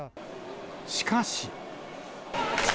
しかし。